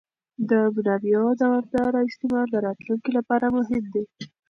د منابعو دوامداره استعمال د راتلونکي لپاره مهم دی.